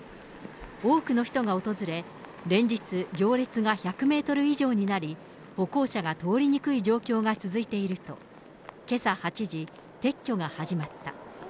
多くの人が訪れ、連日、行列が１００メートル以上となり、歩行者が通りにくい状況が続いていると、けさ８時、撤去が始まった。